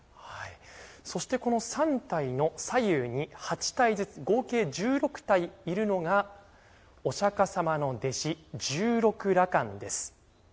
そして、この３体の左右に８体ずつ合計１６体いるのがお釈迦様の弟子十六羅漢です。